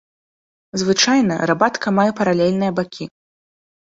Звычайна рабатка мае паралельныя бакі.